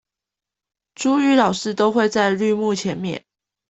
族語老師都會在綠幕前面